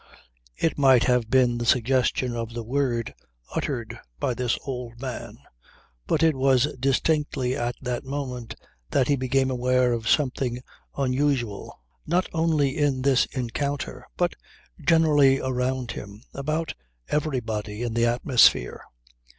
It might have been the suggestion of the word uttered by this old man, but it was distinctly at that moment that he became aware of something unusual not only in this encounter but generally around him, about everybody, in the atmosphere.